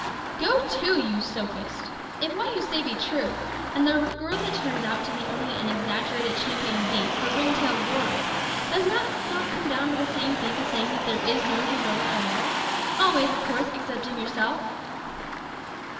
"Go to, you sophist! if what you say be true, and the gorilla turns out to be only an exaggerated chimpanzee or ring tailed roarer, does not that come to the same thing as saying that there is no gorilla at all always, of course, excepting yourself?"